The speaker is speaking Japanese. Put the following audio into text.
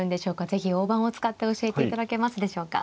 是非大盤を使って教えていただけますでしょうか。